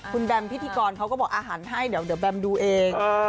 คุณแบมพิธีกรเขาก็บอกอาหารให้เดี๋ยวแบมดูเอง